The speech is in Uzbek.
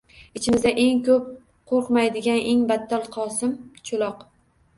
Ichimizda eng ko`p qo`rqmaydigan, eng battol Qosim cho`loq